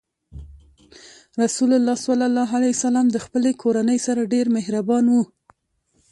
رسول الله ﷺ د خپلې کورنۍ سره ډېر مهربان و.